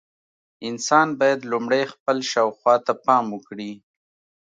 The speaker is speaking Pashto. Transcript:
انسان باید لومړی خپل شاوخوا ته پام وکړي.